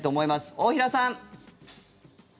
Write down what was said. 大平さん。